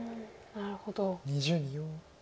なるほど。